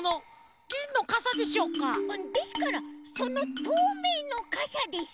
うんですからそのとうめいのかさです。